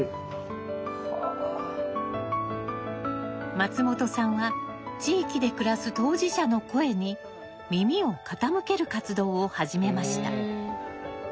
松本さんは地域で暮らす当事者の声に耳を傾ける活動を始めました。